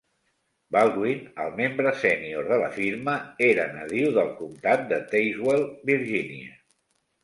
Baldwin, el membre sènior de la firma, era nadiu del comtat de Tazewell, Virginia.